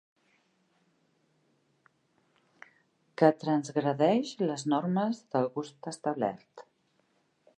Que transgredeix les normes del gust establert.